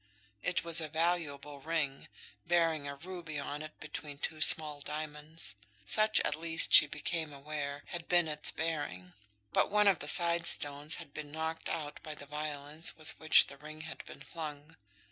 It was a valuable ring, bearing a ruby on it between two small diamonds. Such at least, she became aware, had been its bearing; but one of the side stones had been knocked out by the violence with which the ring had been flung.